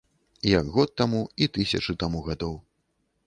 Як год таму і тысячы таму гадоў.